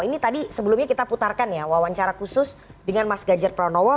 ini tadi sebelumnya kita putarkan ya wawancara khusus dengan mas ganjar pranowo